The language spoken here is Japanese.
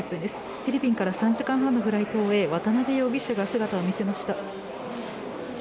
フィリピンから３時間半のフライトを終え渡辺容疑者が姿を見せました。